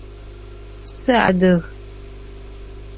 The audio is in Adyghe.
Sıadıg.